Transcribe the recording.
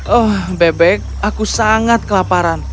oh bebek aku sangat kelaparan